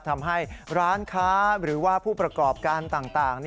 ทำให้ร้านค้าหรือว่าผู้ประกอบการต่าง